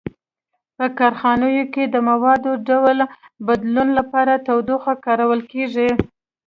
په کارخانو کې د موادو ډول بدلولو لپاره تودوخه کارول کیږي.